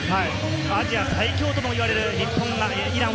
アジア最強ともいわれる日本対イラン。